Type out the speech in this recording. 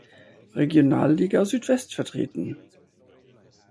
Regionalliga Südwest vertreten.